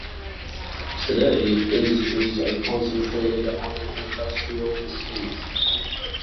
Today industries are concentrated on an industrial estate.